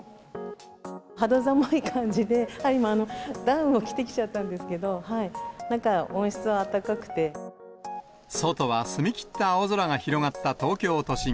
肌寒い感じで、今、ダウンを着てきちゃったんですけど、中、外は澄み切った青空が広がった東京都心。